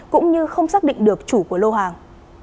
cũng như không xác định được chủ của lô hàng